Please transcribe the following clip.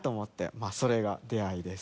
それが出会いです。